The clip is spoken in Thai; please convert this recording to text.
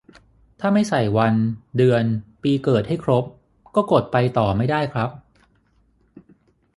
ถ้าไม่ใส่วัน เดือน ปีเกิดให้ครบ ก็กดไปต่อไม่ได้ครับ